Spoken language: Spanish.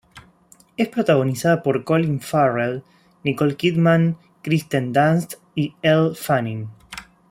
Es protagonizada por Colin Farrell, Nicole Kidman, Kirsten Dunst y Elle Fanning.